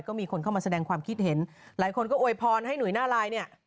ก็มีคนเข้ามาแสดงความคิดเห็นหลายคนก็อวยพรให้ห่วหน้าลายเนี่ย